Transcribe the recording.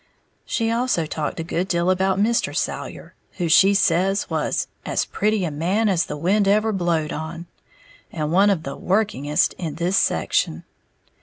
She also talked a good deal about Mr. Salyer, who she says was "as pretty a man as the wind ever blowed on," and one of the "workingest" in this section.